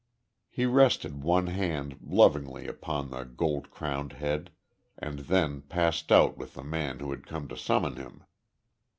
He rested one hand lovingly upon the gold crowned head, and then passed out with the man who had come to summon him.